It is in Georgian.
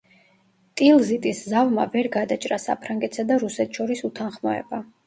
ტილზიტის ზავმა ვერ გადაჭრა საფრანგეთსა და რუსეთს შორის უთანხმოება.